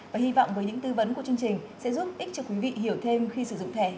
và hy vọng với những tư vấn của chương trình sẽ giúp ích cho quý vị hiểu thêm khi sử dụng thẻ